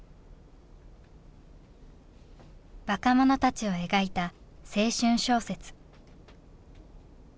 若者たちを描いた青春小説。